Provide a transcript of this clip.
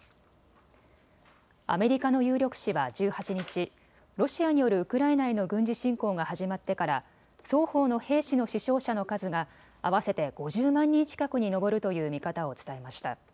アメリカの有力紙は１８日、ロシアによるウクライナへの軍事侵攻が始まってから双方の兵士の死傷者の数が合わせて５０万人近くに上るという見方を伝えました。